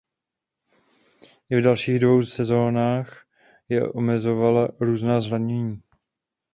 I v dalších dvou sezónách jej omezovala různá zranění.